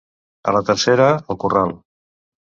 A la tercera, al corral.